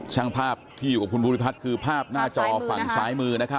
ช่างภาพที่อยู่กับคุณบุรีภัทรคือภาพหน้าจอฝั่งซ้ายมือ